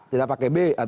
tidak pakai b